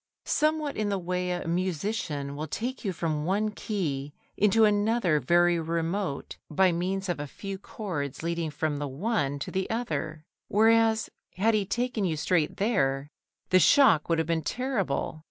Somewhat in the way a musician will take you from one key into another very remote by means of a few chords leading from the one to the other; whereas, had he taken you straight there, the shock would have been terrible.